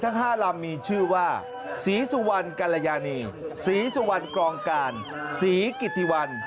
วางมีชื่อว่าศรีสุวรรษและกันตยานีศรีสุวรรษกร่องการศรีกิธิวัน